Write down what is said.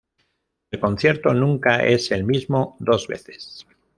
El concierto nunca es el mismo dos veces".